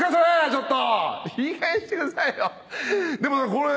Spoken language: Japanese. ちょっと。